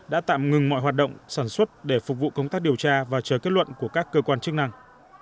đã tạm ngừng mọi hoạt động sản xuất để phục vụ công tác điều tra và chờ kết luận của các cơ quan chức năng